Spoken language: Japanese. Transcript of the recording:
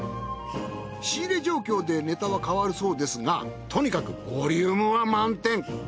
仕入れ状況でネタは変わるそうですがとにかくボリュームは満点！